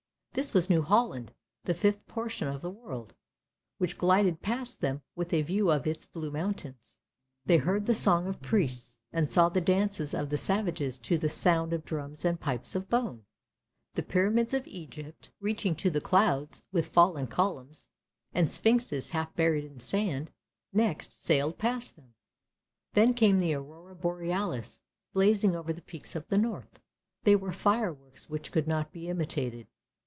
This was New Holland, the fifth portion of the world, which glided past them with a view of its blue mountains. They heard the song of priests, and saw the dances of the savages to the sound of drums and pipes of bone. The pyramids of Egypt THE GARDEN OF PARADISE 167 reaching to the clouds, with fallen columns, and Sphynxes half buried in sand, next sailed past them. Then came the Aurora Borealis blazing over the peaks of the north; they were fireworks which could not be imitated.